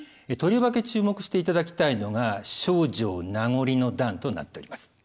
とりわけ注目していただきたいのが「丞相名残の段」となっております。